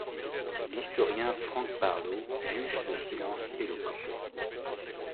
L'historien Frank Barlow juge ce silence éloquent.